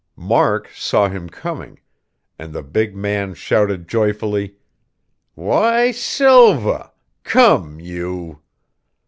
Mark saw him coming; and the big man shouted joyfully: "Why, Silva! Come, you...."